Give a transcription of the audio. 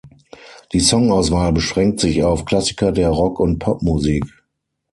Die Songauswahl beschränkt sich auf Klassiker der Rock- und Popmusik.